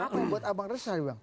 apa yang buat abang resah bang